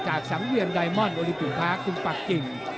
จากสังเวียนไดมอนด์โอลิปิวภาคุณปากกิ่ง